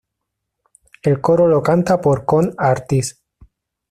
El coro lo canta por Kon Artis.